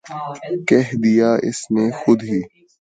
کہہ دیا اس نے خود ہی